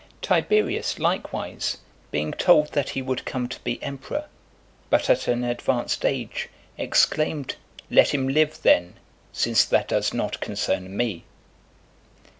Tiberius, likewise, being told that he would come to be emperor, but at an advanced age, exclaimed, "Let him live, then, since that does not concern me!"